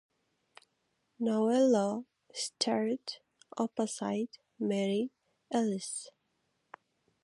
Novello starred opposite Mary Ellis.